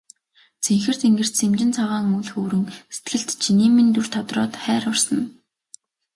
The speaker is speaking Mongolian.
Цэнхэр тэнгэрт сэмжин цагаан үүл хөврөн сэтгэлд чиний минь дүр тодроод хайр урсана.